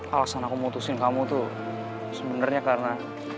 alasan aku memutuskan kamu tuh sebenernya karena